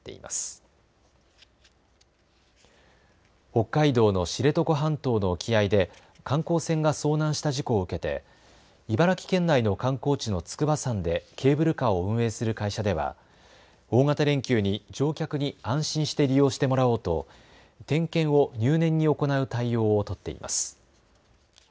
北海道の知床半島の沖合で観光船が遭難した事故を受けて茨城県内の観光地の筑波山でケーブルカーを運営する会社では大型連休に乗客に安心して利用してもらおうと点検を入念に行う対応を取っています。